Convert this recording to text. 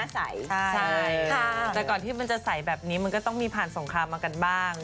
แต่ก่อนที่มันจะใส่แบบนี้มันก็ต้องมีผ่านสงครามมากันบ้าง